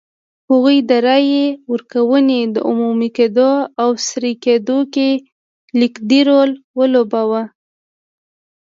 هغوی د رایې ورکونې د عمومي کېدو او سري کېدو کې کلیدي رول ولوباوه.